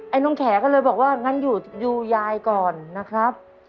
ไอ้น้องแขก็เลยบอกงั้นอยุดูยายก่อนนะครับ